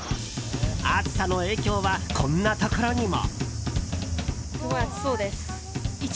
暑さの影響は、こんなところにも。